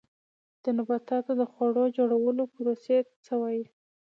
د نباتاتو د خواړو جوړولو پروسې ته څه وایي